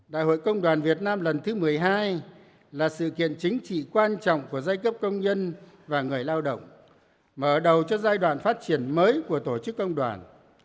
đại hội công đoàn việt nam lần thứ một mươi hai là sự kiện chính trị quan trọng của giai cấp công nhân và người lao động mở đầu cho giai đoạn phát triển mới của tổ chức công đoàn